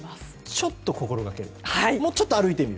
ちょっと心がける。